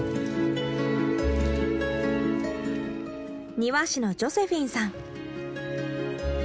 庭師のジョセフィンさん。